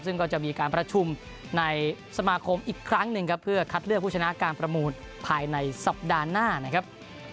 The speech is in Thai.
ซึ่งก็จะมีการประชุมในสมาคมอีกครั้งหนึ่งครับเพื่อคัดเลือกผู้ชนะการประมูลภายในสัปดาห์หน้านะครับ